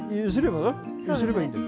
ゆすればいいんだよ。